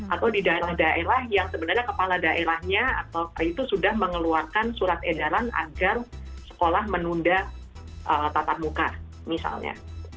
atau di daerah daerah yang sebenarnya kepala daerahnya itu sudah mengeluarkan surat edaran agar sekolah menunda tatap muka misalnya